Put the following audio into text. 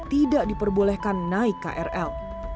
tidak diperbolehkan naik krl